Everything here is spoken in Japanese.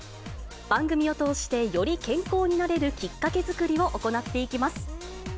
番組を通してより健康になれるきっかけ作りを行っていきます。